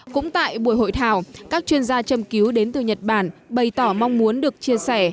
cũng tại buổi hội thảo các chuyên gia châm cứu đến từ nhật bản bày tỏ mong muốn được chia sẻ